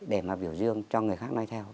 để mà biểu dương cho người khác nói theo